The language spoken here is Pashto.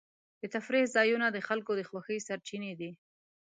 د تفریح ځایونه د خلکو د خوښۍ سرچینې دي.